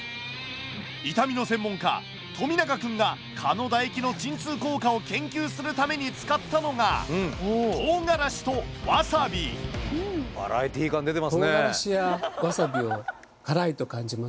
痛みの専門家富永くんが蚊の唾液の鎮痛効果を研究するために使ったのがバラエティー感出てますね。